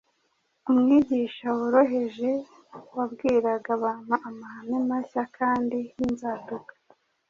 umwigisha woroheje wabwiraga abantu amahame mashya kandi y’inzaduka),